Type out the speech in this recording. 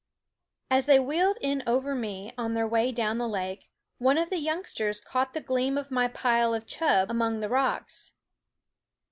As they wheeled in over me on their way down the lake, one of the youngsters caught the gleam of my pile of chub among the rocks.